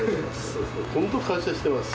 本当に感謝してます。